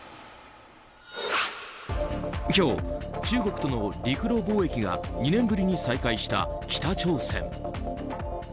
今日、中国との陸路貿易が２年ぶりに再開した北朝鮮。